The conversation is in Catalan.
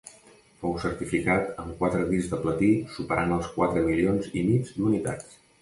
Fou certificat amb quatre discs de platí superant els quatre milions i mig d'unitats.